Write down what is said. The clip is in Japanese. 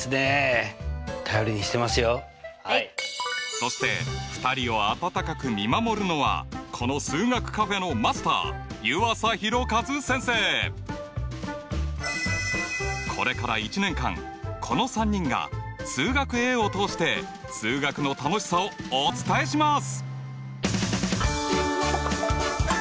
そして２人を温かく見守るのはこのこれから１年間この３人が「数学Ａ」を通して数学の楽しさをお伝えします。